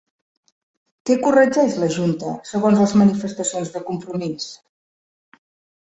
Què corregeix la junta segons les manifestacions de Compromís?